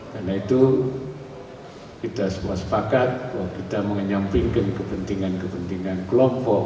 karena itu kita sepuas pakat bahwa kita menyampingkan kepentingan kepentingan kelompok